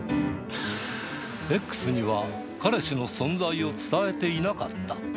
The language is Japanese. Ｘには、彼氏の存在を伝えていなかった。